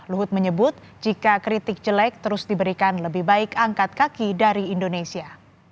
luhut menyebut jika kritik jelek terus diberikan lebih baik angkat kaki dari indonesia